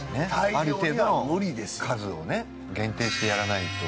ある程度の数をね限定してやらないと。